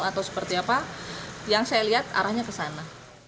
atau seperti apa yang saya lihat arahnya ke sana